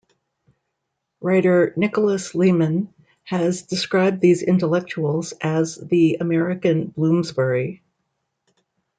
Writer Nicholas Lemann has described these intellectuals as "the American Bloomsbury".